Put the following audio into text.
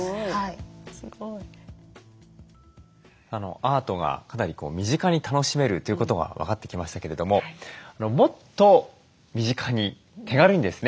アートがかなり身近に楽しめるということが分かってきましたけれどももっと身近に手軽にですね